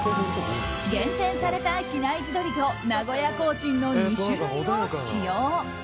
厳選された比内地鶏と名古屋コーチンの２種類を使用。